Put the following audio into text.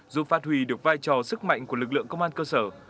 giúp phát huy được vai trò sức mạnh của lực lượng công an cơ sở